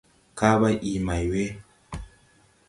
Kaa bày ii may we ?